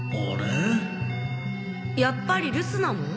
やっぱり留守なの？